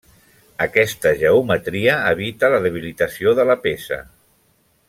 Aquesta geometria evita la debilitació de la peça.